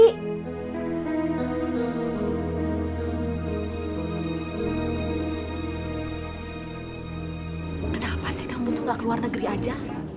kenapa sih tamu tuh gak ke luar negeri aja